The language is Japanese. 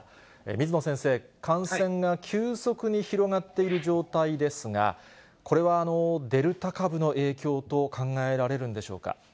水野先生、感染が急速に広がっている状態ですが、これはデルタ株の影響と考えられるんでしょうか。